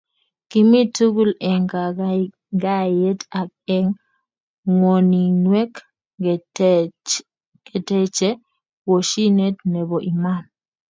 kimii tugul eng kagaigaet ak eng ngwoninweek , keteeche koshinet nebo iman